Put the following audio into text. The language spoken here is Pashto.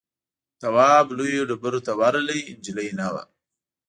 تواب لویو ډبرو ته ورغی نجلۍ نه وه.